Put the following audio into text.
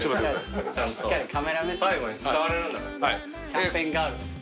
キャンペーンガール。